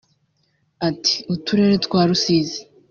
Ati "Uturere twa Rusizi